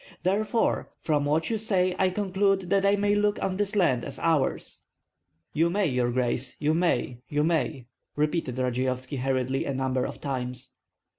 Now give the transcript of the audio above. Therefore from what you say I conclude that I may look on this land as ours." "You may, your grace, you may, you may," repeated Radzeyovski hurriedly, a number of times.